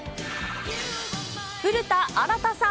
古田新太さん。